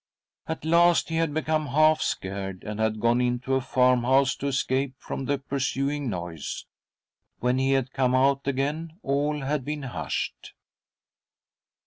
At last he had become half scared, and had gone into a farmhouse to escape from the pursuing noise. When he had come out again, all had been hushed.